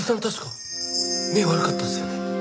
確か目悪かったですよね。